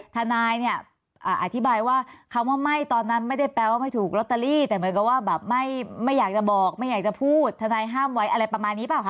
ทนายเนี่ยอธิบายว่าคำว่าไม่ตอนนั้นไม่ได้แปลว่าไม่ถูกลอตเตอรี่แต่เหมือนกับว่าแบบไม่อยากจะบอกไม่อยากจะพูดทนายห้ามไว้อะไรประมาณนี้เปล่าคะ